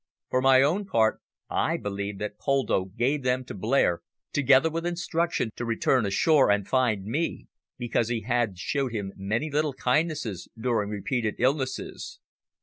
For my own part I believe that Poldo gave them to Blair together with instruction to return ashore and find me, because he had showed him many little kindnesses during repeated illnesses.